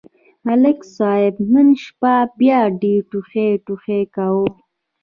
ملک صاحب نن شپه بیا ډېر ټوخ ټوخ کاوه.